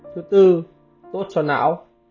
thứ tư tốt cho não